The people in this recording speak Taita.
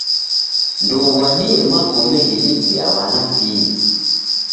Ndouw'adie magome ghelipia w'ana fizi.